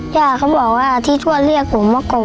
ย่าเขาบอกว่าที่ทวดเรียกผมว่ากบ